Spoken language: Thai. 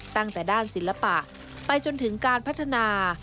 ตั้งแต่ด้านศิลปะไปจนถึงการพัฒนา